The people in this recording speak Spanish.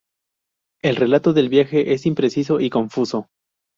El relato del viaje es impreciso y confuso.